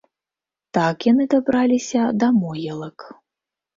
Так яны дабраліся да могілак.